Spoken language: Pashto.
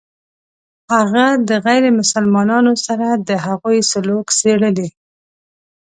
هغه د غیر مسلمانانو سره د هغوی سلوک څېړلی.